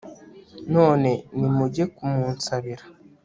none nimujye kumunsabira